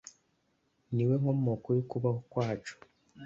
ni we nkomoko yo kubaho kwacu